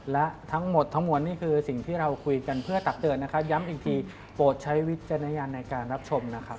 และทั้งหมดทั้งมวลนี่คือสิ่งที่เราคุยกันเพื่อตักเตือนนะคะย้ำอีกทีโปรดใช้วิจารณญาณในการรับชมนะครับ